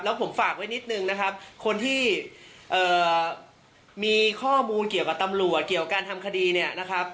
ผมฝากไว้นิดนึงนะครับคนที่มีข้อมูลเกี่ยวกับตำรวจเกี่ยวกับการทำคดีเนี่ยนะครับ